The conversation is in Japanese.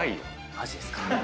マジですか。